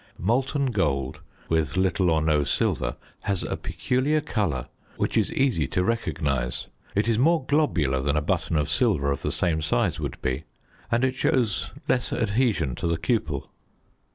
Molten gold, with little or no silver, has a peculiar colour which is easy to recognise; it is more globular than a button of silver of the same size would be, and it shows less adhesion to the cupel.